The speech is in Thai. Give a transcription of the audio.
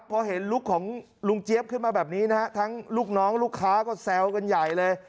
พอเห็นลุคของลุงเจี๊ยบขึ้นมาแบบนี้นะฮะทั้งลูกน้องลูกค้าก็แซวกันใหญ่เลย